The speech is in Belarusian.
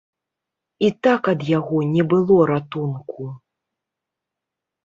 І так ад яго не было ратунку.